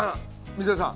水谷さん